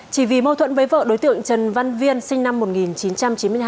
chỉ vì mâu thuẫn với vợ đối tượng trần văn viên sinh năm một nghìn chín trăm chín mươi hai